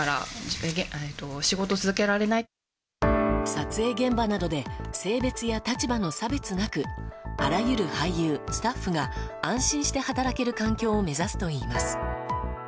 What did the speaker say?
撮影現場などで性別や立場の差別なくあらゆる俳優、スタッフが安心して働ける環境を目指すといいます。